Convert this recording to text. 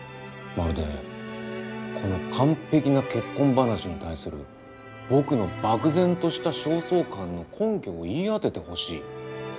まるで「この完璧な結婚話に対する僕の漠然とした焦燥感の根拠を言い当ててほしい」とでも言いたげだな。